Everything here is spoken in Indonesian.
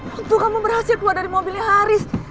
waktu kamu berhasil keluar dari mobilnya haris